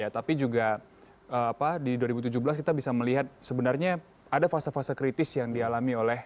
tapi juga di dua ribu tujuh belas kita bisa melihat sebenarnya ada fase fase kritis yang dialami oleh